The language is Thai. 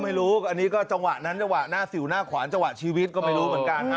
ไม่รู้อันนี้ก็จังหวะนั้นจังหวะหน้าสิวหน้าขวานจังหวะชีวิตก็ไม่รู้เหมือนกัน